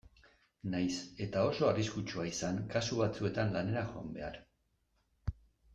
Nahiz eta oso arriskutsua izan kasu batzuetan lanera joan behar.